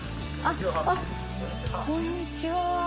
あっこんにちは。